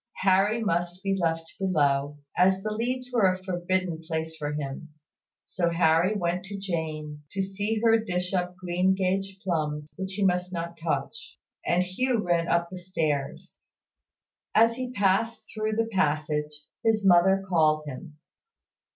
Harry must be left below, as the leads were a forbidden place for him. So Harry went to Jane, to see her dish up greengage plums which he must not touch: and Hugh ran up the stairs. As he passed through the passage, his mother called him.